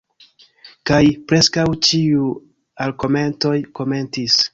Kaj preskaŭ ĉiuj alkomentoj komentis: